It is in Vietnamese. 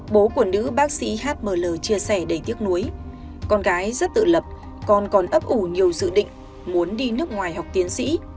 bố của nữ bác sĩ hml chia sẻ đầy tiếc nuối con gái rất tự lập còn còn ấp ủ nhiều dự định muốn đi nước ngoài học tiến sĩ